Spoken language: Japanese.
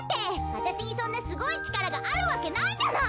わたしにそんなすごいちからがあるわけないじゃない。